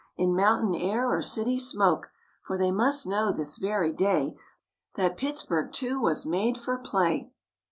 In mountain air or city smoke, For they must know this very day That Pittsburg too was made for play."